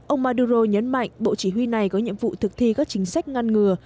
ông maduro nhấn mạnh bộ chỉ huy này có nhiệm vụ thực thi các chính sách ngăn ngừa